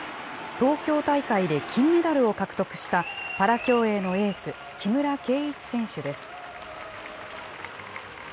東京大会で金メダルを獲得した、パラ競泳のエース、木村敬一選手です。